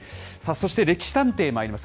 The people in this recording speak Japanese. そして歴史探偵まいります。